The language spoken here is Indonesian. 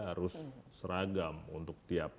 harus seragam untuk tiap